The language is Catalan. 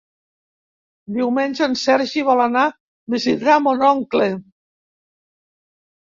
Diumenge en Sergi vol anar a visitar mon oncle.